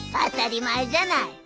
当たり前じゃない。